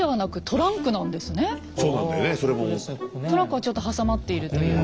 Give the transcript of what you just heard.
トランクがちょっと挟まっているという。